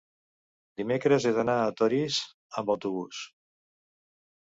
Dimecres he d'anar a Torís amb autobús.